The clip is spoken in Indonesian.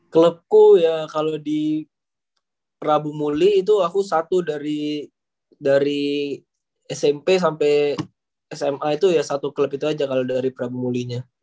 klubku ya kalau di prabu muli itu aku satu dari smp sampai sma itu ya satu klub itu aja kalau dari prabu mulinya